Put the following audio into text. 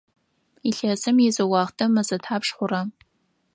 Илъэсым изы уахътэ мэзэ тхьапш хъура?